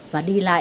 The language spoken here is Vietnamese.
và đi lại